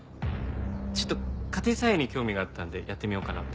ちょっと家庭菜園に興味があったんでやってみようかなって。